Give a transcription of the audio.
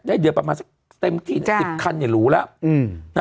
ได้เดือนประมาณเต็มที่๑๐คันอย่าหรูแล้ว